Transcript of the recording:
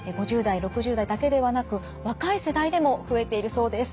５０代６０代だけではなく若い世代でも増えているそうです。